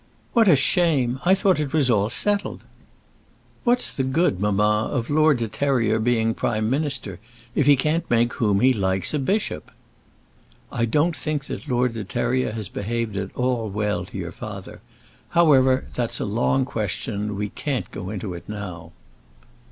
"What a shame! I thought it was all settled. What's the good, mamma, of Lord De Terrier being prime minister, if he can't make whom he likes a bishop?" "I don't think that Lord De Terrier has behaved at all well to your father. However, that's a long question, and we can't go into it now."